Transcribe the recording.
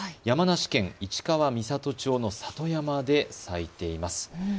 山梨県市川三郷町の里山で咲いています。